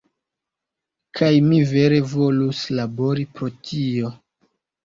Kaj mi vere volus labori por tio.